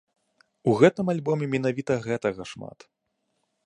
У гэтым альбоме менавіта гэтага шмат.